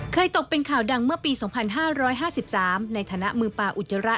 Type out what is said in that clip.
ตกเป็นข่าวดังเมื่อปี๒๕๕๓ในฐานะมือป่าอุจจาระ